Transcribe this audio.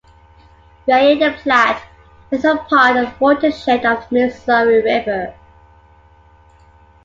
Via the Platte, it is part of the watershed of the Missouri River.